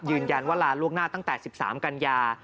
ยืนยันว่าลาล่วงหน้าตั้งแต่๑๓กันยา